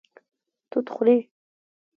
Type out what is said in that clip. توت خوري